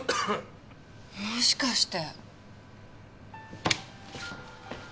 もしかして。